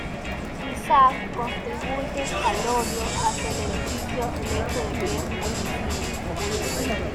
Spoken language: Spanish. Quizá contribuye al odio hacia el edificio el hecho de que es muy visible.